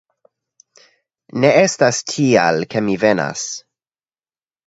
Ne estas tial, ke mi venas.